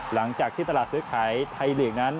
หลังจากที่ตลาดซื้อขายไทยลีกนั้น